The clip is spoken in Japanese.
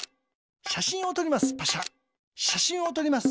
しゃしんをとります。